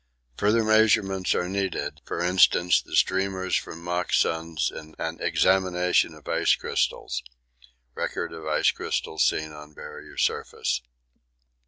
Further measurements are needed; for instance of streamers from mock suns and examination of ice crystals. (Record of ice crystals seen on Barrier Surface.)